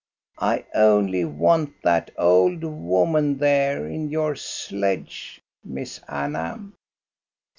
I only want that old woman there in your sledge. Miss Anna."